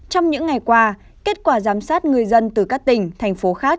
trong những ngày qua kết quả giám sát người dân từ các tỉnh thành phố khác